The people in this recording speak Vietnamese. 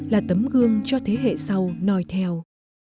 là tấm gương cho thế hệ sau nòi theo